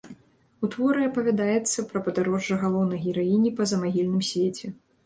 У творы апавядаецца пра падарожжа галоўнай гераіні па замагільным свеце.